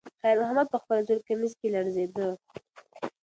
خیر محمد په خپل زوړ کمیس کې لړزېده.